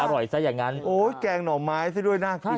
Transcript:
ซะอย่างนั้นโอ้ยแกงหน่อไม้ซะด้วยน่ากิน